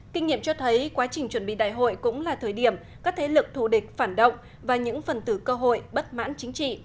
kinh nghiệm cho thấy quá trình chuẩn bị đại hội cũng là thời điểm các thế lực thù địch phản động và những phần tử cơ hội bất mãn chính trị